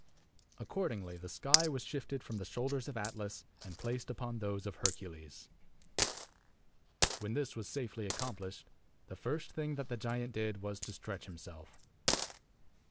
Accordingly, the sky was shifted from the shoulders of Atlas, and placed upon those of Hercules. When this was safely accomplished, the first thing that the giant did was to stretch himself.